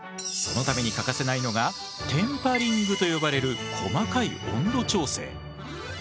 そのために欠かせないのがテンパリングと呼ばれる細かい温度調整。